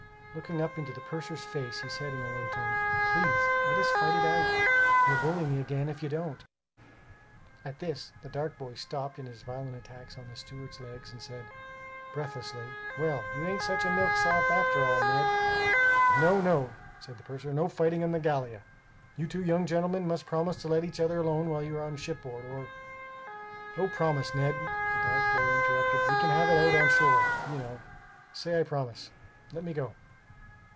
Looking up into the purser's face, he said in a low tone, "Please let us fight it out. He'll bully me again, if you don't!" At this the dark boy stopped in his violent attacks on the steward's legs and said, breathlessly: "Well, you ain't such a milksop after all, Ned!" "No, no," said the purser; "no fighting on the Gallia. You two young gentlemen must promise to let each other alone while you are on shipboard or" "O, promise, Ned," the dark boy interrupted, "we can have it out onshore, you know! Say, I promise, let me go."